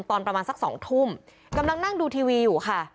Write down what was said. ตอนประมาณสัก๒ทุ่มกำลังนั่งดูทีวีอยู่ค่ะ